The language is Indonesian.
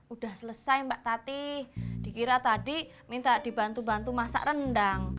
udah selesai mbak tati dikira tadi minta dibantu bantu masak rendang